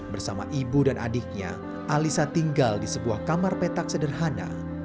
bersama ibu dan adiknya alisa tinggal di sebuah kamar petak sederhana